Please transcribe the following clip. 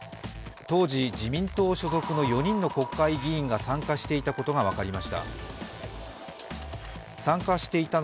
当時、自民党所属の４人の国会議員が参加していたことが分かりました。